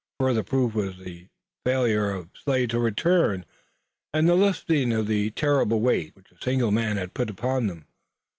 Further proof was the failure of Slade to return and the lifting of the terrible weight which a single man had put upon them.